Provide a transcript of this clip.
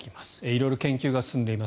色々研究が進んでいます。